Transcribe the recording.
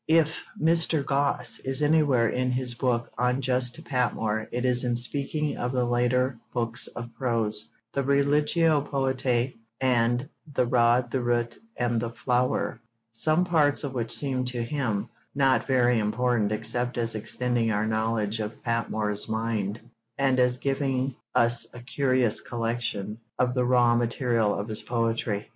If Mr. Gosse is anywhere in his book unjust to Patmore it is in speaking of the later books of prose, the Religio Poetae and The Rod, the Root, and the Flower, some parts of which seem to him 'not very important except as extending our knowledge of' Patmore's 'mind, and as giving us a curious collection of the raw material of his poetry.'